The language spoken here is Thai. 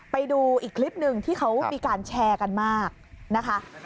ไปดูอีกคลิปหนึ่งที่เขามีการแชร์กันมากนะคะ